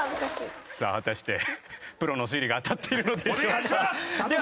さあ果たしてプロの推理が当たっているのでしょうか？